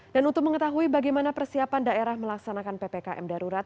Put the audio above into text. dan untuk mengetahui bagaimana persiapan daerah melaksanakan ppkm darurat